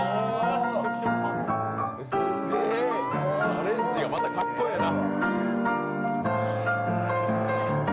アレンジがまたかっこええな。